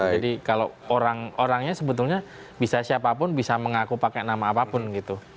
jadi kalau orang orangnya sebetulnya bisa siapapun bisa mengaku pakai nama apapun gitu